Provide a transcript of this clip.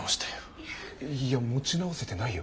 いや持ち直せてないよ。